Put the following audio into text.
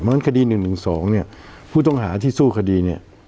เพราะฉะนั้นคดี๑๑๒ผู้ต้องหาที่สู้คดี